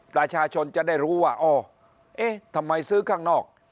ประชาชนจะได้รู้ว่าอ๋อเอ๊ะทำไมซื้อข้างนอก